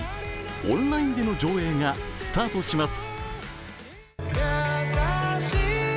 オンラインでの上映がスタートします。